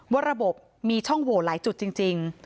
ว่าระบบมีช่องโหวตหลายจุดจริง